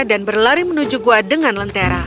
dan berlari menuju gua dengan lentera